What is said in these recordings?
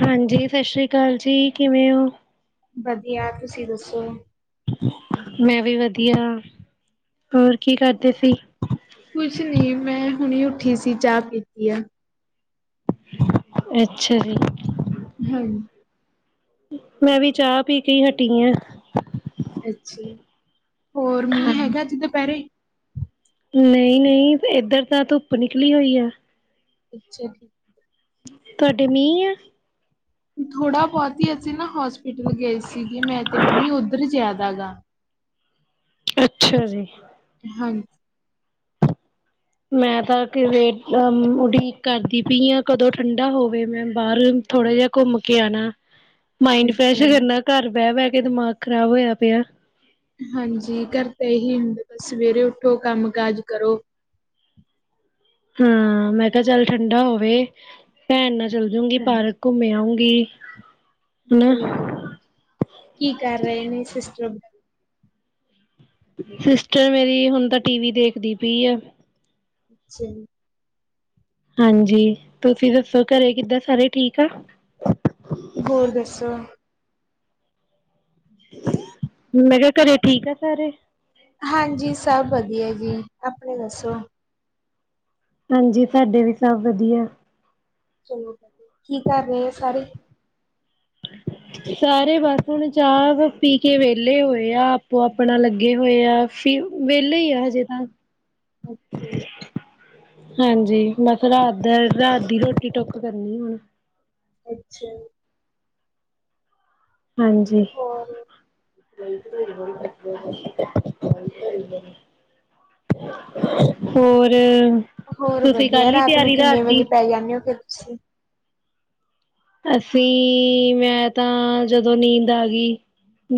ਹਾਂਜੀ ਸ਼ਸ ਸ੍ਰੀ ਕਾਲ ਜੀ ਕਿਵੇਂ ਓ? ਬਦੀਆ ਤੁਸੀਂ ਦੱਸੋ ਮੈਂ ਵੀ ਵਧੀਆ ਹੋਰ ਕੀ ਕਰਦੇ ਸੀ? ਕੁਛ ਨੀ ਮੈਂ ਹੁਣੇ ਈ ਉੱਠੀ ਸੀ ਚਾ ਪੀਤੀ ਆ। ਅੱਛਾ ਜੀ। ਹੂੰ। ਮੈਂ ਵੀ ਚਾ ਪੀ ਕੇ ਈ ਹਟੀ ਆ। ਅੱਛਾ ਹੋਰ ਮੀਂਹ ਹੈਗਾ ਅੱਜ ਦਪੈਰੇ ਨਈ-ਨਈ ਐਧਰ ਤਾਂ ਧੁੱਪ ਨਿਕਲੀ ਹੋਈ ਐ। ਅੱਛਾ। ਤਾਡੇ ਮੀਂਹ ਐ? ਥੋੜ੍ਹਾ-ਬੋਤ ਈ ਅਸੀਂ ਨਾ ਹੋਸਪਿਟਲ ਗਏ ਸੀਗੇ ਮੈਂ ਤੇ ਮੰਮੀ ਓਧਰ ਜਿਆਦਾ ਗਾ। ਅੱਛਾ ਜੀ। ਹਾਂਜ ਮੈਂ ਤਾਂ ਕਿਵੇ ਅਮ ਉਡੀਕ ਕਰਦੀ ਪਈ ਆਂ ਕਦੋਂ ਠੰਢਾ ਹੋਵੇ ਮੈਂ ਬਾਰ ਥੋੜ੍ਹਾ ਜੇਆ ਕੁੰਮ ਕੇ ਆਣਾ। ਮਾਇੰਡ ਫਰੈਸ਼ ਅੱਛਾ। ਹੋ ਜਾਂਦਾ, ਕੱਰ ਬੈ-ਬੈ ਕੇ ਦਿਮਾਗ ਖਰਾਬ ਹੋਯਾ ਪਯਾ। ਹਾਂਜੀ, ਘੱਰ ਤਾਂ ਏਹੀ ਹੁੰਦਾ ਬਸ ਸਵੇਰੇ ਉੱਠੋ ਕੰਮ-ਕਾਜ ਕਰੋ। ਹੂੰ ਮੈਂ ਕੇਆ ਚੱਲ ਠੰਡਾ ਹੋਵੇ ਪੈਣ ਨਾਲ ਚੱਲਜੂਂਗੀ ਪਾਰਕ। ਹਾਂਜੀ ਕੁੰਮ ਆਉਂਗੀ। ਚਲੋ ਬਿਲਕੁਲ ਕੀ ਕਰ ਰਏ ਨੇ ਸਿਸਟਰ ਸਿਸਟਰ ਮੇਰੀ ਹੁਣ ਤਾਂ ਟੀਵੀ ਦੇਖਦੀ ਪਈ ਐ। ਅੱਛਾ ਜੀ। ਹਾਂਜੀ, ਤੁਸੀਂ ਦੱਸੋ ਘਰੇ ਕਿੱਦਾਂ ਸਾਰੇ ਠੀਕ ਆ। ਹੋਰ ਦੱਸੋ ਮੈਂ ਕੇਆ ਘਰੇ ਠੀਕ ਆ ਸਾਰੇ? ਹਾਂਜੀ, ਸਭ ਵਧੀਆ ਜੀ, ਅਪਣੀ ਦੱਸੋ ਹਾਂਜੀ, ਸਾਡੇ ਵੀ ਸਭ ਵਧੀਆ। ਚਲੋ, ਕੀ ਕਰ ਰੇਆ ਸਾਰੇ? ਹ ਸਾਰੇ ਬਸ ਹੁਣ ਚਾਹ ਪੀ ਕੇ ਵੇਲੇ ਹੋਏ ਆ ਆਪੋ ਆਪਣਾ ਲੱਗੇ ਹੋਏ ਆ। ਵੇਲੇ ਈ ਆ ਹਜੇ ਤਾਂ। ਅੱਛਾ ਜੀ। ਹਾਂਜੀ, ਬਸ ਰਾਤ ਰਾਤ ਦੀ ਰੋਟੀ ਟੁੱਕ ਕਰਨੀ ਹੁਣ। ਅੱਛਾ ਜੀ। ਹਾਂਜੀ। ਹੋਰ ਹੋਰ। ਹੋਰ ਤੁਸੀਂ ਕਰ ਵਧੀਆ, ਲਈ ਰਾਤ ਨੂੰ ਤਿਆਰੀ ਕਿੰਨੇ ਵਜੇ ਦੀ ਪੈ ਜਾਂਣੇ ਓ ਫਿਰ ਤੁਸੀਂ। ਅਸੀਂ, ਮੈਂ ਤਾਂ ਜਦੋਂ ਨੀਂਦ ਆ ਗੀ।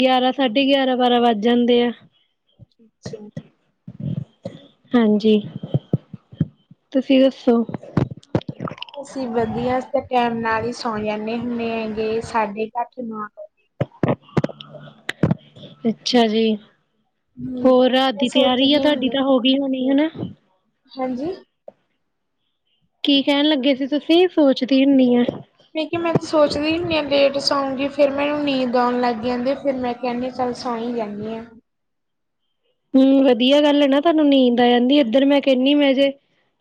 ਗਿਆਰਾਂ ਸਾਢੇ ਗਿਆਰਾਂ, ਬਾਰਾਂ ਵੱਜ ਜਾਂਦੇ ਆਂ। ਅੱਛਾ। ਹਾਂਜੀ, ਤੁਸੀਂ ਦੱਸੋ। ਅਸੀਂ ਵਧੀਆ, ਅਸੀਂ ਤਾਂ ਟੈਮ ਨਾਲ ਈ ਸੌ ਜਾਂਣੇ ਹੁੰਣੇ ਹੈਗੇ, ਸਾਢੇ ਕ ਅੱਠ ਨੋ ਵਜੇ। ਅੱਛਾ ਜੀ, ਹੂੰ, ਹੋਰ ਰਾਤ ਮੈਂ ਦੀ ਤਿਆਰੀ ਆ ਸੋਚਦੀ ਤਾਡੀ ਹੁੰਦੀ ਤਾਂ ਹੋ ਗੀ ਹੋਣੀ, ਹਨਾਂ? ਹਾਂਜੀ? ਕੀ ਕਹਿਣ ਲੱਗੇ ਸੀ ਤੁਸੀਂ, ਸੋਚਦੀ ਹੁੰਨੀ ਐ। ਮੈਂ ਕਿਆ ਮੈਂ ਤੇ ਸੋਚਦੀ ਹੁਣੀ ਆਂ ਲੇਟ ਸੋਉਂਗੀ ਫਿਰ ਮੈਨੂੰ ਨੀਂਦ ਆਉਣ ਲੱਗ ਜਾਂਦੀ ਫਿਰ ਮੈਂ ਕਹਿਣੀ ਚੱਲ ਸੌਂ ਈ ਜਾਂਨੀ ਆਂ। ਹਂ, ਵਧੀਆ ਗੱਲ ਐ ਨਾਂ, ਤਾਨੂੰ ਨੀਂਦ ਆ ਜਾਂਦੀ ਇੱਧਰ ਮੈਂ ਕੈਣੀ ਮੈਂ ਜੇ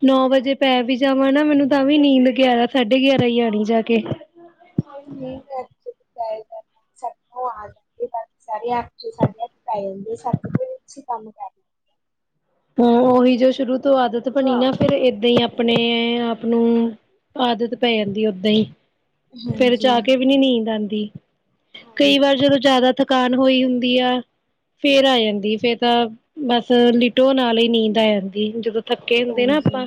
ਨੌ ਵਜੇ ਪੈ ਵੀ ਜਾਵਾਂ ਨਾ, ਮੈਨੂੰ ਤਾਂ ਵੀ ਨੀਂਦ ਗਿਆਰਾਂ ਸਾਢੇ ਗਿਆਰਾਂ ਈ ਆਣੀ ਜਾ ਕੇ। ਨੀਂ ਗਜ [unintelligible] ਸਟ ਓ ਆ ਜਾਂਦੇ ਬਾਕੀ ਸਾਡੇ ਅੱਠ ਸਾਡੇ ਅੱਠ ਪੈ ਜਾਂਦੇ, ਸੱਤ ਕ ਵਜੇ ਅਸੀਂ ਕੰਮ ਕਰ ਲਓ। ਹਾਂ, ਓਹੀ ਜੋ ਸ਼ੁਰੂ ਤੋਂ ਆਦਤ ਬਣੀ ਨਾਂ, ਫਿਰ ਏਦਾਂ ਈ ਆਪਣੇ ਆਪ ਨੂੰ ਆਦਤ ਪੈ ਜਾਂਦੀ ਏ ਓਦਾ ਈ। ਫੇਰ ਹਾਂਜੀ, ਚਾਕੇ ਵੀ ਨੀਂ ਨੀਂਦ ਆਂਦੀ, ਹਾਂਜੀ, ਕਈ ਵਾਰ ਜਦੋਂ ਜ਼ਿਆਦਾ ਥਕਾਨ ਹੋਈ ਹੁੰਦੀ ਆ, ਫੇਰ ਆ ਜਾਂਦੀ ਫਿਰ ਤਾਂ ਬਸ ਲਿ ਟੋ ਨਾਲੇ ਈ ਨੀਂਦ ਆ ਜਾਂਦੀ, ਜਦੋਂ ਥੱਕੇ ਹੁੰਦੇ ਨਾਂ ਹਾਂਜੀ। ਆਪਾਂ।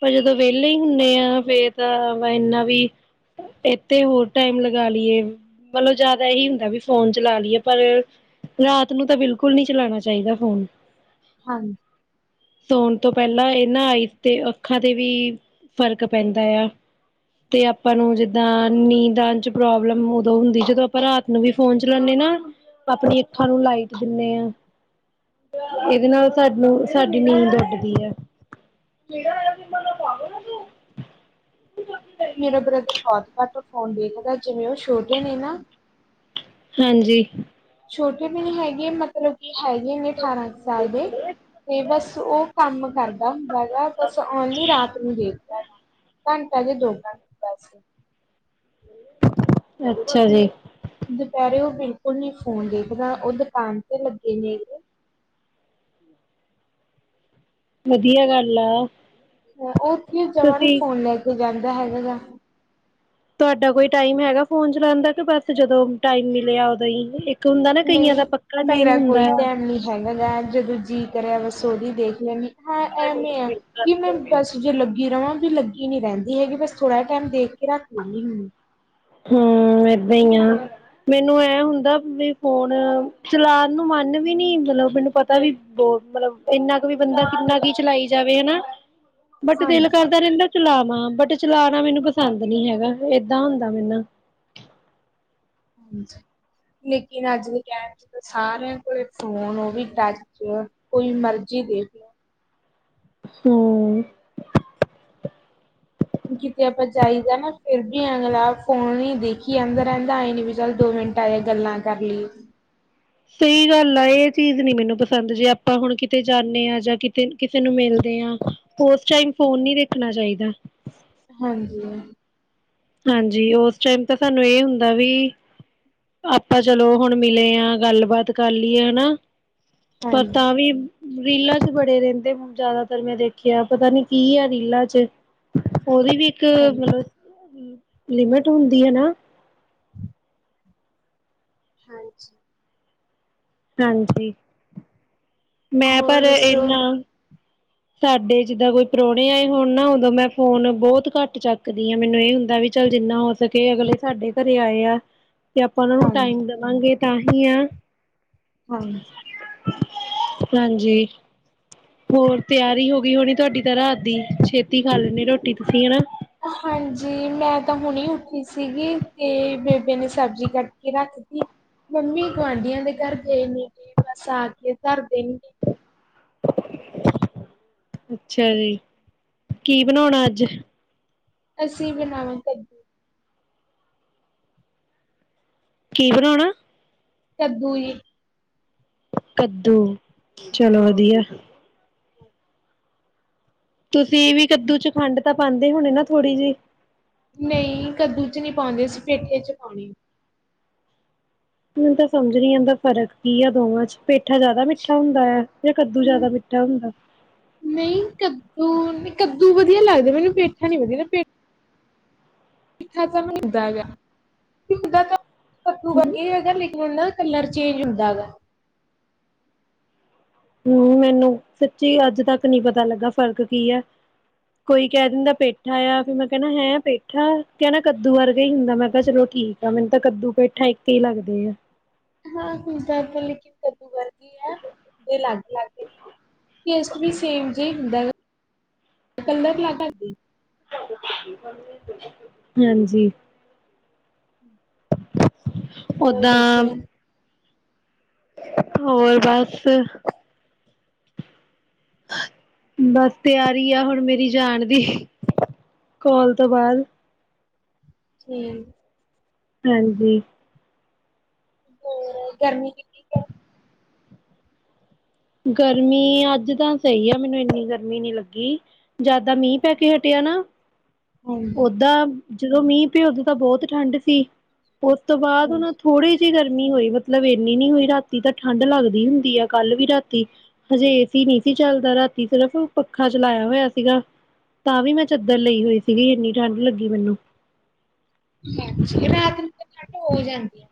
ਪਰ ਜਦੋਂ ਵਿਹਲੇ ਈ ਹੁੰਣੇ ਆ, ਫਿਰ ਤਾਂ ਵਾ ਇੰਨਾ ਵੀ ਏਤੇ ਹੋਰ ਟਾਈਮ ਲਗਾ ਲੀਏ। ਮਤਲਬ ਜਿਆਦਾ ਏਹੀ ਹੁੰਦਾ ਵੀ ਫੋਨ ਚਲਾ ਲੀਏ। ਪਰ ਰਾਤ ਨੂੰ ਤਾਂ ਬਿਲਕੁਲ ਨੀਂ ਚਲਾਣਾ ਚਾਈਦਾ ਫੋਨ ਹਾਂਜੀ। ਸੌਣ ਤੋਂ ਪਹਿਲਾਂ ਇਹ ਨਾ ਆਈਸ ਤੇ ਅੱਖਾਂ ਤੇ ਵੀ, ਫ਼ਰਕ ਪੈਂਦਾ ਆ। ਤੇ ਆਪਾਂ ਨੂੰ ਜਿੱਦ ਆ ਨੀਂਦ ਚ ਪ੍ਰੋਬਲਮ ਓਦੋਂ ਹੁੰਦੀ, ਜਦੋਂ ਆਪਾਂ ਰਾਤ ਨੂੰ ਵੀ ਫੋਨ ਚਲਾਣੇ ਨਾਂ ਆਪਣੀ ਅੱਖਾਂ ਨੂੰ ਲਾਈਟ ਦਿੰਣੇ ਆਂ, ਹਾਂਜੀ। ਏਦੇ ਨਾਲ ਸਾਨੂੰ ਸਾਡੀ ਨੀਂਦ ਉੱਡਦੀ ਆ। [inaudible] ਮੇਰਾ ਬ੍ਰਦਰ ਬੋਤ ਘੱਟ ਫੋਨ ਦੇੇਖਦਾ, ਜਿਵੇਂ ਓ ਛੋਟੇ ਨੇ ਨਾਂ ਹਾਂਜੀ। ਛੋਟੇ ਵੀ ਨੀਂ ਹੈਗੇ, ਮਤਲਬ ਕਿ ਹੈਗੇ ਨੇ ਅਠਾਰਾਂ ਕ ਸਾਲ ਦੇ ਤੇ ਬਸ ਓ ਕੰਮ ਕਰਦਾ ਹੁੰਦਾ ਏਗਾ, ਬਸ ਓਨਲੀ ਰਾਤ ਨੂੰ ਦੇਖ ਘੰਟਾ ਜਾਂ ਦੋ? ਘੰਟੇ ਬਸ ਅੱਛਾ ਜੀ। ਦੁਪਹਿਰੇ ਓ ਬਿਲਕੁਲ ਨੀਂ ਫੋਨ ਦੇਖਦਾ, ਓ ਦੁਕਾਨ ਤੇ ਲੱਗੇ ਨੇ। ਵਧੀਆ ਗੱਲ ਆ। ਉੱਥੇ ਜਮਾਂ ਨੀ ਤੁਸੀਂ ਫੋਨ ਲੈ ਕੇ ਜਾਂਦਾ ਹੈਗਾਗਾ। ਤਾਡਾ ਕੋਈ ਟਾਈਮ ਹੈਗਾ ਫੋਨ ਚਲਾਣ ਦਾ ਕਿ ਬਸ ਜਦੋਂ ਟਾਈਮ ਮਿਲਿਆ ਉਦੋਂ ਈ ਕਈ ਹੁੰਦਾ ਨਾ ਕਈਆਂ ਦਾ ਨਹੀਂ ਪੱਕਾ ਟਾਈਮ ਮੇਰਾ ਹੁੰਦਾ ਕੋਈ ਆ। ਟਾਈਮ ਨਹੀਂ ਹੈਗਾ ਜਦੋਂ ਜੀਅ ਕਰਿਆ ਬਸ ਓਦੋਂ ਈ ਦੇਖ ਲੈਂਣੇ, ਏ ਐਵੇਂ ਆ ਕਿ ਮੈਂ ਬਸ ਜੇ ਲੱਗੀ ਰਵਾਂ ਲੱਗੀ ਨੀਂ ਰੈਂਦੀ ਹੈਗੀ, ਬਸ ਥੋੜਾ ਟੈਮ ਦੇਖ ਕੇ ਰੱਖ ਦੇਣੀ ਹੁਣੀ। ਹੂੰ, ਐਦਾਂ ਈ ਆ। ਮੈਨੂੰ ਐ ਹੁੰਦਾ ਵੀ ਫ਼ੋਨ ਚਲਾਣ ਨੂੰ ਮੰਨ ਵੀ ਨੀ, ਮਤਲਬ ਮੈਨੂੰ ਪ ਤਾਂ ਵੀ ਬਹੁ, ਮਤਲਬ ਐਨਾ ਕੁ ਵੀ ਬੰਦਾ ਕਿੰਨਾ ਕੁ ਚਲਾਈ ਜਾਵੇ ਹਨਾ। ਬਟ ਦਿਲ ਹਾਂਜੀ ਕਰਦਾ ਰਹਿੰਦਾ ਚਲਾਵਾਂ, ਬਟ ਚਲਾਣਾ ਮੈਨੂੰ ਪਸੰਦ ਨੀ ਹੈਗਾ, ਏਦਾਂ ਹੁੰਦਾ ਮੇ ਨਾ। ਅੱਛਾ, ਨਿੱਕੀ ਨੇ ਅੱਜ ਵੀ ਕੈ ਸਾਰਿਆਂ ਕੋਲ ਫ਼ੋਨ ਉਹ ਵੀ ਟੱਚ, ਕੋਈ ਮਰਜ਼ੀ ਦੇਖ ਲਓ। ਹੂੰ। ਕਿਤੇ ਆਪਾਂ ਜਾਈਦਾ ਨਾ ਫੇਰ ਵੀ ਅਗਲਾ ਫ਼ੋਨ ਹੀ ਦੇਖੀ ਜਾਦਾ ਰਹਿੰਦਾ, ਐ ਨੀ ਵੀ ਚੱਲ ਦੋ ਮਿੰਟ ਐਵੇਂ ਗੱਲਾਂ ਕਰ ਲਈਏ। ਸਹੀ ਗੱਲ ਆ, ਇਹ ਚੀਜ਼ ਨੀ ਮੈਨੂੰ ਪਸੰਦ ਜੇ ਆਪਾਂ ਹੁਣ ਕਿਤੇ ਜਾਣੇ ਆ ਜਾਂ ਕਿ ਕਿਤੇ ਕਿਸੇ ਨੂੰ ਮਿਲਦੇ ਆ, ਓਸ ਟਾਈਮ ਫ਼ੋਨ ਨੀ ਦੇਖਣਾ ਚਾਹੀਦਾ। ਹਾਂਜੀ। ਹਾਂਜੀ, ਉਸ ਟਾਈਮ ਤਾਂ ਸਾਨੂੰ ਏ ਹੁੰਦਾ ਵੀ ਆਪਾਂ ਚਲੋ ਹੁਣ ਮਿਲੇ ਆ ਗੱਲਬਾਤ ਕਰ ਲਈਏ ਹਨਾ, ਹਾਂਜੀ ਪਰ ਤਾਂ ਹਾਂਜੀ ਵੀ ਰੀਲਾ ਚ ਵੜੇ ਰਹਿੰਦੇ ਹੁਣ ਜ਼ਿਆਦਾਤਰ ਮੈਂ ਦੇਖਿਆ, ਪਤਾ ਨੀ ਕੀ ਆ ਰੀਲਾ ਚ। ਉਹਦੀ ਵੀ ਇੱਕ ਮਤਲਬ ਲਿਮਿਟ ਹੁੰਦੀ ਆ ਨਾ। ਹਾਂਜੀ। ਹਾਂਜੀ, ਮੈਂ ਹੋਰ ਪਰ ਦੱਸੋ ਏਨਾ ਸਾਡੇ ਜਿੱਦਾਂ ਕੋਈ ਪ੍ਰਾਹੁਣੇ ਆਏ ਹੋਣ ਨਾ, ਉਦੋਂ ਮੈਂ ਫੋਨ ਬਹੁਤ ਘੱਟ ਚੱਕਦੀ ਆ, ਮੈਨੂੰ ਇਹ ਹੁੰਦਾ ਵੀ ਚੱਲ ਜਿੰਨਾ ਹੋ ਸਕੇ, ਅਗਲੇ ਸਾਡੇ ਘਰੇ ਆਏ ਆ। ਕਿ ਆਪਾਂ ਉਹਨਾਂ ਨੂੰ ਹਾਂਜੀ ਟਾਈਮ ਦੇਵਾਂਗੇ, ਤਾਂ ਹੀ ਆ। ਹਾਂ। ਹਾਂਜੀ, ਹੋਰ? ਤਿਆਰੀ ਹੋ ਗਈ ਹੋਣੀ ਤੁਹਾਡੀ ਤਾਂ ਰਾਤ ਦੀ, ਛੇਤੀ ਖਾ ਲੈਂਦੇ ਰੋਟੀ ਤੁਸੀਂ ਹਨਾ? ਹਾਂਜੀ, ਮੈਂ ਤਾਂ ਹੁਣੇ ਉੱਠੀ ਸੀਗੀ ਤੇ ਬੇਬੇ ਨੇ ਸਬਜ਼ੀ ਕੱਟਕੇ ਰੱਖ ਤੀ, ਮੰਮੀ ਗੁਆਂਢੀਆਂ ਦੇ ਘਰ ਗਏ ਨੇ, ਤੇ ਬਸ ਆ ਕੇ ਧਰ ਦੇਣਗੇ। ਅੱਛਾ ਜੀ। ਕੀ ਬਣਾਉਣਾ ਅੱਜ? ਅਸੀ ਬਣਾਵਾਂਗੇ ਕੱਦੂ। ਕੀ ਬਣਾਉਣਾ? ਕੱਦੂ ਜੀ। ਕੱਦੂ, ਚਲੋ ਵਧੀਆ। ਤੁਸੀਂ ਵੀ ਕੱਦੂ ਚ ਖੰਡ ਤਾਂ ਪਾਂਦੇ ਹੋਣੇ ਨਾ ਥੋੜੀ ਜੇਈ? ਨਹੀਂ ਕੱਦੂ ਚ ਨਹੀਂ ਪਾਂਦੇ, ਅਸੀ ਪੇਠੇ ਚ ਪਾਉਣੇ ਆ। ਮੈਨੂੰ ਤਾਂ ਸਮਝ ਨੀ ਆਦਾ ਫ਼ਰਕ ਕੀ ਆ ਦੋਵਾਂ ਚ, ਪੇਠਾ ਜਾਦਾ ਮਿੱਠਾ ਹੁੰਦੈ ਆ? ਜਾਂ ਕੱਦੂ ਜਾਦਾ ਮਿੱਠਾ ਹੁੰਦਾ? ਨਹੀਂ ਕੱਦੂ, ਨੀ ਕੱਦੂ ਵਧੀਆ ਲੱਗਦਾ ਮੈਨੂੰ, ਪੇਠਾ ਨੀ ਵਧੀਆ, ਪੇਠ ਪੇਠਾ [unintelligible] ਹੁੰਦਾ ਤਾਂ ਕੱਦੂ ਵਰਗਾ ਹੈਗੇ, ਲੇਕਿਨ ਓ ਨਾ ਕਲਰ ਚੇਂਜ ਹੁੰਦਾ ਹੈਗਾ। ਹੂੰ, ਮੈਨੂੰ ਸੱਚੀ ਅੱਜ ਤੱਕ ਨੀ ਪਤਾ ਲੱਗਾ ਫ਼ਰਕ ਕੀ ਆ। ਕੋਈ ਕੈਅ ਦੇਂਦਾ ਪੈਠਾ ਆ, ਫਿਰ ਮੈਂ ਕੈਨਾ ਹੈਂ ਪੇਠਾ ਆ। ਕੋਈ ਕੈ ਨਾ ਕੱਦੂ ਵਰਗਾ ਹੀ ਹੁੰਦਾ, ਮੈਂ ਕੇਆ ਚਲੋ ਠੀਕ ਆ, ਮੈਨੂੰ ਤਾਂ ਕੱਦੂ, ਪੇੱਠਾ ਇਕ ਈ ਲੱਗਦੇ ਆ। ਹਾਂ ਹੁੰਦਾ ਤਾਂ ਇਕ ਲੇਕਿਨ ਕੱਦੂ ਵਰ ਇਕ ਈ ਆ, ਕੋਈ ਅਲੱਗ-ਅਲੱਗ ਨੀ, ਟੇਸਟ ਵੀ ਸੇਮ ਜੇਆ ਹੁੰਦਾ ਹੈਗਾ। ਕੰਦਕ ਲਾਕਾ। ਹਾਂਜੀ। ਹੋਰ ਓਦਾਂ ਦੱਸੋ ਹੋਰ, ਬਸ। ਬਸ ਤਿਆਰੀ ਆ ਹੁਣ ਮੇਰੀ ਜਾਨ ਦੀ, ਕੋਲ ਤੋ ਬਾਦ। ਠੀ ਹਾਂਜੀ। ਹੋਰ, ਗਰਮੀ ਕਿੰਨੀ ਹੈ। ਗਰਮੀ ਅੱਜ ਤਾਂ ਸਹੀ ਆ, ਮੈਨੂੰ ਏਨੀ ਗਰਮੀ ਨੀ ਲੱਗੀ ਜਦ ਦਾ ਮੀਂਹ ਹੈ? ਪੈ ਕੇ ਹਟਿਆ ਨਾ, ਓਦਾਂ ਜਦੋਂ ਮੀਂਹ ਪੇ ਓਦੋਂ ਤਾਂ ਬੋਹਤ ਠੰਡ ਸੀ, ਉੱਤੋਂ ਤੋ ਬਾਦ ਓ ਨਾ ਹਾਂਜੀ-ਹਾਂਜੀ ਥੋੜੇ ਤੀ ਗਰਮੀ ਹੋਈ ਮਤਲਬ ਏਨੀ ਨੀ ਹੋਈ, ਰਾਤੀ ਤਾਂ ਠੰਡ ਲੱਗਦੀ ਹੁੰਦੀ ਆ, ਕੱਲ ਵੀ ਰਾਤ ਤੀ ਹਜੇ ਏਸੀ ਨੀ ਸੀ ਚੱਲਦਾ ਰਾਤੀ, ਸਿਰਫ਼ ਪੱਖਾ ਚਲਾਇਆ ਹੋਇਆ ਸੀਗਾ ਤਾਂ ਵੀ ਮੈਂ ਚੱਦਰ ਲਈ ਹੋਈ ਸੀਗੀ ਏਨੀ ਠੰਡ ਲੱਗੀ ਮੈਨੂੰ। ਅੱਛਾ, ਰਾਤ ਨੂੰ ਤੇ ਠੰਡ ਹੋ ਜਾਂਦੀ ਐ।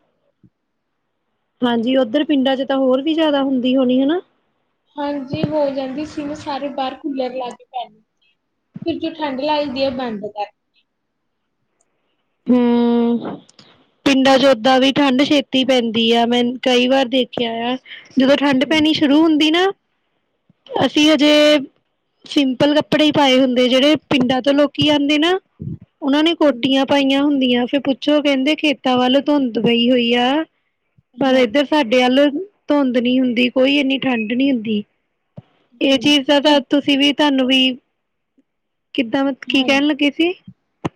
ਹਾਂਜੀ, ਓਧਰ ਪਿੰਡਾਂ ਚ ਤਾਂ ਹੋਰ ਵੀ ਜਾਦਾ ਹੁੰਦੀ ਹੋਣੀ, ਹਨਾ? ਹਾਂਜੀ, ਹੋ ਜਾਂਦੀ ਸੀ ਨਾ ਸਾਰੇ ਬਾਰ ਕੂਲਰ ਲਾ ਕੇ ਪੈਣ ਫਿਰ ਜੋ ਠੰਡ ਲੱਗਦੀ ਐ ਬੰਦ ਕਰ ਹੂੰ। ਪਿੰਡਾਂ ਚ ਓਦਾਂ ਵੀ ਠੰਡ ਛੇਤੀ ਪੈਂਦੀ ਆ, ਮੈਂ ਕਈ ਵਾਰ ਦੇਖੇਆ ਆ। ਜਦੋਂ ਠੰਡ ਹਾਂਜੀ ਪੈਣੀ ਸ਼ੁਰੂ ਹੁੰਦੀ ਨਾ, ਅਸੀਂ ਜੇ ਸਿੰਪਲ ਕੱਪੜੇ ਈ ਪਾਏ ਹੁੰਦੇ ਜੇੜੇ ਪਿੰਡਾਂ ਤੋ ਲੋਕ ਕੀ ਆਂਦੀ ਨਾ ਓਨਾ ਨੇ ਕੋਟੀਆਂ ਪਈਆਂ ਹੁੰਦੀਆਂ ਫਿਰ ਪੁੱਛੋ ਕੈਂਦੇ ਖੇਤਾਂ ਵੱਲ ਧੁੰਦ ਪਈ ਹੋਈ ਆ ਪਰ ਏਦਰ ਤੁਹਾਡੇ ਅਲ ਧੁੰਦ ਨੀ ਹੁੰਦੀ ਕੋਈ ਇੰਨੀ ਠੰਡ ਨੀ ਹੁੰਦੀ। ਏ ਚੀਜ ਹਾਂਜੀ-ਹਾਂਜੀ ਦਾ ਤਾਂ ਇਹ ਤੁਸੀਂ ਵੀ ਧਾਨੂੰ ਵੀ ਕਿੱਦਾਂ ਕੀ ਕੈਣ ਲੱਗੇ ਸੀ?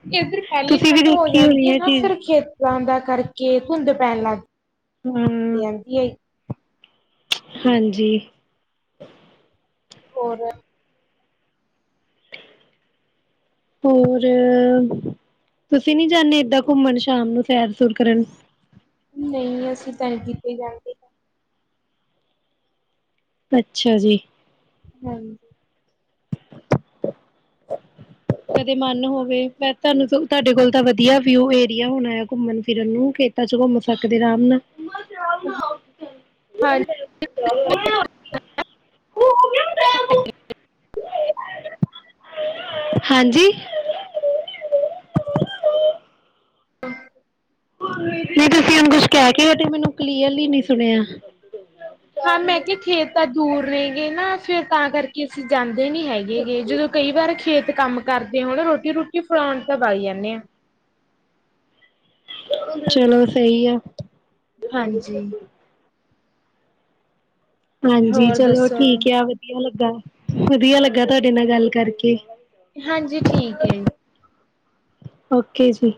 ਕਿ ਏਧਰ ਪੈਲੇ ਈ ਤੁਸੀਂ ਵੀ ਠੰਡ ਹੋ ਦੇਖੀ ਹੋਣੀ ਜਾਂਦੀ ਏ ਇਹ ਨਾ ਚੀਜ਼ ਫਿਰ ਖੇਤਾਂ ਦਾ ਕਰਕੇ ਧੁੰਦ ਪੈਨ ਲੱਗ ਹੂੰ,,, ਈ ਹਾਂਜੀ। ਹੋਰ? ਹੋਰ, ਤੁਸੀਂ ਨੀ ਜਾਂਦੇ ਏਦਾਂ ਘੁੰਮਣ, ਸ਼ਾਮ ਨੂੰ ਸੈਰ-ਸੁਰ ਕਰਨ? ਨਹੀਂ ਅਸੀਂ ਟੈਂਕੀ ਪੇ ਜਾਂਦੇ। ਅੱਛਾ ਜੀ [unintelligible] ਕਦੇ ਮਨ ਹੋਵੇ ਮੈਂ ਤੁਹਾਨੂੰ ਤੁਹਾਡੇ ਕੋਲ ਤਾਂ ਵਧੀਆ ਵਿਊ ਏਰੀਆ ਹੋਣਾ ਆ ਘੁੰਮਣ ਫਿਰਨ ਨੂੰ। ਖੇਤਾਂ ਚ ਘੁੰਮ ਸਕਦੇ ਆਰਾਮ ਨਾਲ ਮੰਮਾ ਚਾਹ ਬਣਾਓ ਉੱਠ ਕੇ ਹਾਂਜੀ [unintelligible] ਹਾਂਜੀ [inaudible] ਨਹੀਂ ਤੁਸੀਂ ਕੁਛ ਕਹਿ ਕੇ ਕਟੇ ਮੈਨੂੰ ਕਲੀਅਰਲੀ ਨੀ ਸੁਣਿਆ ਹਾਂ ਮੈਂ ਕਿਹਾ ਖੇਤ ਤਾਂ ਦੂਰ ਰ ਗਏ ਨਾ ਫਿਰ ਤਾਂ ਕਰਕੇ। ਅਸੀਂ ਜਾਂਦੇ ਨੀ ਹੈਗੇ ਜਦੋਂ ਕਈ ਵਾਰ ਖੇਤ ਕੰਮ ਕਰਦੇ ਹੁਣ ਰੋਟੀ ਰੂਟੀ ਫਲਾਉਣ ਤੱਕ ਆਈ ਜਾਂਦੇ ਹਾਂ। ਚਲੋ ਸਈ ਐ। ਹਾਂਜੀ। ਹਾਂਜੀ ਹੋਰ ਚਲੋ ਦੱਸੋ ਠੀਕ ਯਾ, ਵਧੀਆ ਲੱਗਾ ਵਧੀਆ ਲੱਗਾ ਤੁਆਡੇ ਨਾਲ ਗੱਲ ਕਾਰਕੇ। ਹਾਂਜੀ, ਠੀਕ ਯੈ। ਓਕੇ ਜੀ।